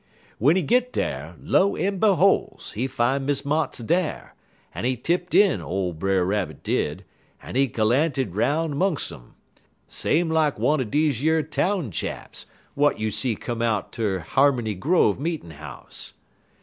"W'en he git dar, lo en beholes, he fine Miss Motts dar, en he tipped in, ole Brer Rabbit did, en he galanted 'roun' 'mungs um, same lak one er dese yer town chaps, w'at you see come out ter Harmony Grove meetin' house.